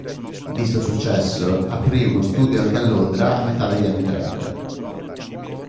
Visto il successo, aprì uno studio anche a Londra a metà degli anni trenta.